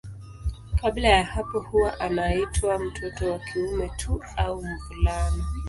Kabla ya hapo huwa anaitwa mtoto wa kiume tu au mvulana.